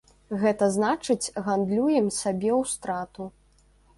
Гэта значыць, гандлюем сабе ў страту.